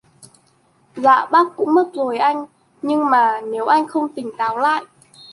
dạ bác cũng mất rồi anh Nhưng mà nếu anh không tỉnh táo lại